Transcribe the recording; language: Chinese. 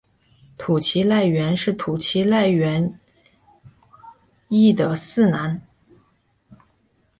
土岐赖元是土岐赖艺的四男。